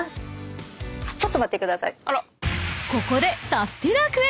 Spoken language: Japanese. ［ここで］